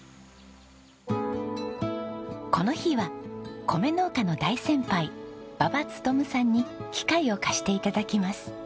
この日は米農家の大先輩馬場勉さんに機械を貸して頂きます。